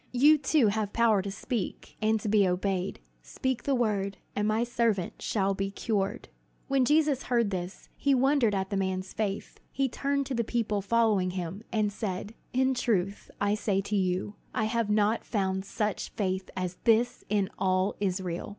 You, too, have power to speak and to be obeyed. Speak the word, and my servant shall be cured." When Jesus heard this, he wondered at this man's faith. He turned to the people following him, and said: "In truth I say to you, I have not found such faith as this in all Israel!"